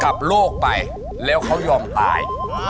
ขับโลกไปแล้วเขายอมตาย